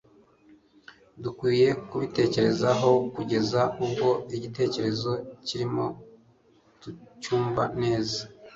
Dukwiye kubitekerezaho kugeza ubwo igitekerezo kirimo tucynnva neza,